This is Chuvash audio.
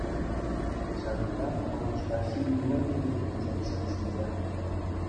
Ҫакӑнтан хӑрушраххи нимӗн те ҫук уншӑн ҫӗр ҫинче.